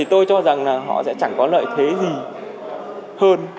tôi cho rằng là họ sẽ chẳng có lợi thế gì hơn